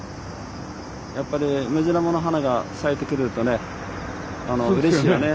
やっぱりムジナモの花が咲いてくるとねうれしいよね。